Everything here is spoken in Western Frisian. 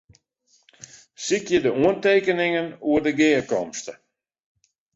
Sykje de oantekeningen oer de gearkomste.